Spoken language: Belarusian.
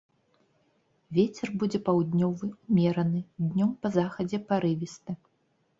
Вецер будзе паўднёвы ўмераны, днём па захадзе парывісты.